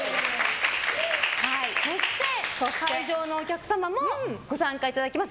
そして、会場のお客様もご参加いただきます。